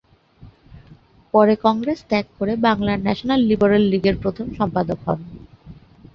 পরে কংগ্রেস ত্যাগ করে বাংলার ন্যাশনাল লিবারেল লীগের প্রথম সম্পাদক হন।